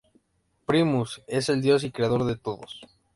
Primus es el dios y creador de todos.